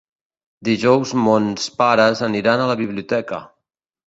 Dijous mons pares aniran a la biblioteca.